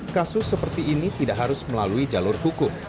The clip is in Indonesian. kasus seperti ini tidak harus melalui jalur hukum